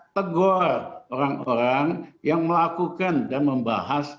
tegur orang orang yang melakukan dan membahas